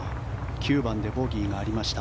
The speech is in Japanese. ９番でボギーがありました。